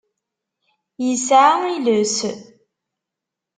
Yesɛa iles.